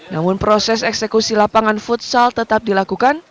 namun proses eksekusi lapangan futsal tetap dilakukan